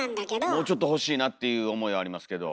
もうちょっと欲しいなっていう思いはありますけど。